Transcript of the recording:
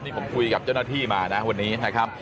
นี่ผมคุยกับเจ้าหน้าที่มานะวันนี้นะครับ